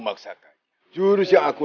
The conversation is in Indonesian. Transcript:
kau akan menantangku